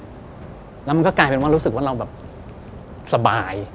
แล้วมันก็กลายเป็นว่ารู้สึกว่าเราแบบสบาย